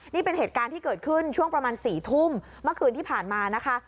นี่เป็นเหตุการณ์ที่เกิดขึ้นช่วงประมาณ๔ทุ่มเมื่อคืนที่ผ่านมานะคะ